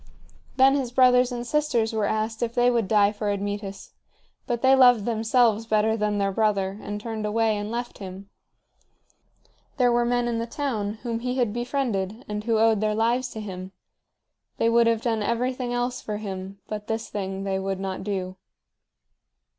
Then his brothers and sisters were asked if they would die for Admetus, but they loved themselves better than their brother, and turned away and left him. There were men in the town whom he had befriended and who owed their lives to him; they would have done everything else for him, but this thing they would not do.